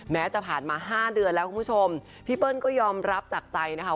แม้จะผ่านมา๕เดือนแล้วคุณผู้ชมพี่เปิ้ลก็ยอมรับจากใจนะคะ